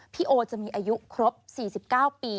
พี่โอจะมีอายุครบ๔๙ปี